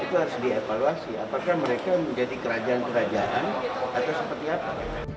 itu harus dievaluasi apakah mereka menjadi kerajaan kerajaan atau seperti apa